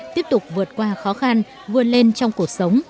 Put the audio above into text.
tiếp tục vượt qua khó khăn vươn lên trong cuộc sống